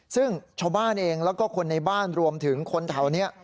ซึ่งชาวบ้านเองแล้วก็คนในบ้านรวมถึงคนแถวนี้